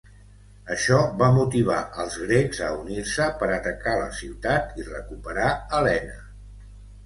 Això va motivar als grecs a unir-se per atacar la ciutat i recuperar Helena.